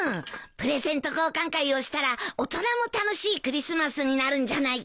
プレゼント交換会をしたら大人も楽しいクリスマスになるんじゃないかな？